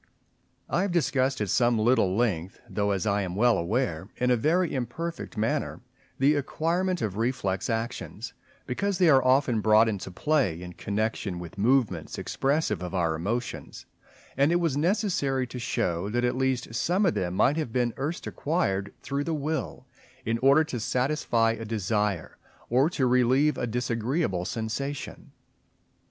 I have discussed at some little length, though as I am well aware, in a very imperfect manner, the acquirement of reflex actions, because they are often brought into play in connection with movements expressive of our emotions; and it was necessary to show that at least some of them might have been first acquired through the will in order to satisfy a desire, or to relieve a disagreeable sensation.